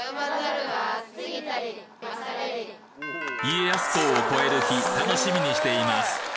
家康公を超える日楽しみにしています